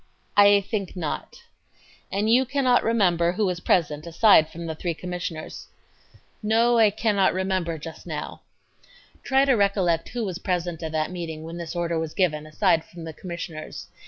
A. I think not. Q. And you cannot remember who was present aside from the three Commissioners? A. No, I cannot remember just now. Q. Try to recollect who was present at that meeting when this order was given, aside from the Commissioners.